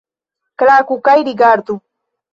Klaku kaj rigardu!